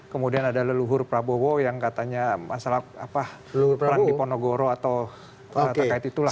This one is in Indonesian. kemudian ada leluhur prabowo yang katanya masalah perang diponogoro atau terkait itulah